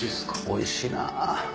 おいしいな！